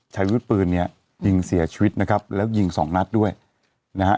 ใช้วุฒิปืนเนี่ยยิงเสียชีวิตนะครับแล้วยิงสองนัดด้วยนะฮะ